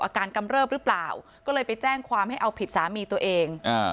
กำเริบหรือเปล่าก็เลยไปแจ้งความให้เอาผิดสามีตัวเองอ่า